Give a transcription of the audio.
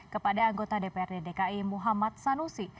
kepada anggota dprd dki muhammad sanusi